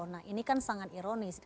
nah ini kan sangat ironis